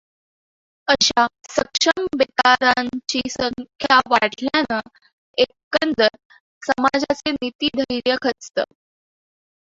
अशा ‘सक्षम बेकारां ची संख्या वाढल्याने एकंदर समाजाचे नितीधैर्य खचतं.